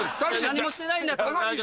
何もしてないんだったら。